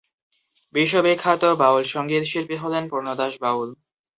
বিশ্ববিখ্যাত বাউল সংগীত শিল্পী হলেন পূর্ণ দাস বাউল।